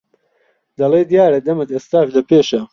دەڵێ دیارە دەمت ئێستاش لەپێشە